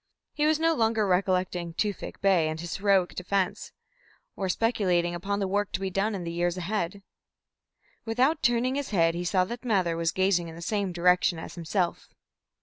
He was no longer recollecting Tewfik Bey and his heroic defence, or speculating upon the work to be done in the years ahead. Without turning his head, he saw that Mather was gazing in the same direction as himself.